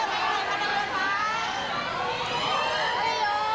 สวัสดีครับ